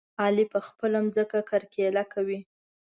علي په خپله ځمکه کرکيله کوي.